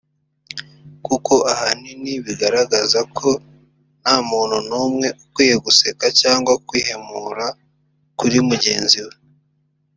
kuko ahanini bigaragaza ko nta muntu n’umwe ukwiye guseka cyangwa kwihimura kuri mugenzi we